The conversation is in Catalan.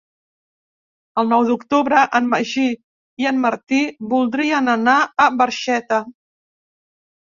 El nou d'octubre en Magí i en Martí voldrien anar a Barxeta.